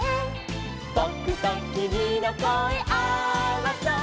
「ぼくときみのこえあわそ」